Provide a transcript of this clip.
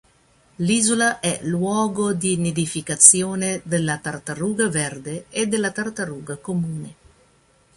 L'isola è luogo di nidificazione della tartaruga verde e della tartaruga comune.